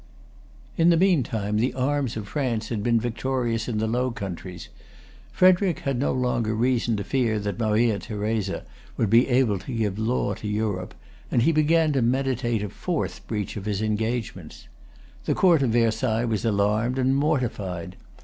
In the meantime the arms of France had been victorious[Pg 270] in the Low Countries. Frederic had no longer reason to fear that Maria Theresa would be able to give law to Europe, and he began to meditate a fourth breach of his engagements. The Court of Versailles was alarmed and mortified.